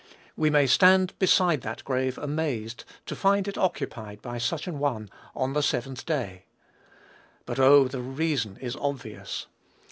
We may stand beside that grave amazed to find it occupied by such an one on the seventh day; but, oh! the reason is obvious.